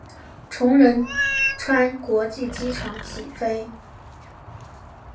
从仁川国际机场起飞。